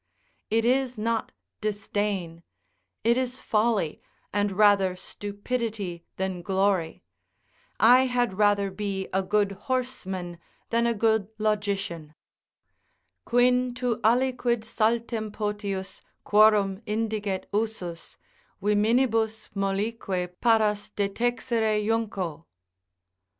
It is not disdain; it is folly, and rather stupidity than glory; I had rather be a good horseman than a good logician: "Quin to aliquid saltem potius, quorum indiget usus, Viminibus mollique paras detexere junco."